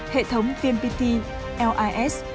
hệ thống vmpt lis